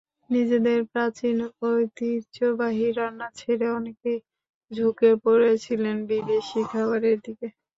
নিজেদের প্রাচীন, ঐতিহ্যবাহী রান্না ছেড়ে অনেকেই ঝুঁকে পড়ছিলেন বিদেশি খাবারের দিকে।